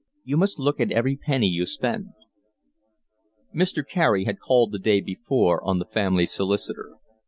You must look at every penny you spend." Mr. Carey had called the day before on the family solicitor.